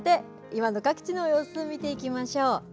さて、今の各地の様子を見ていきましょう。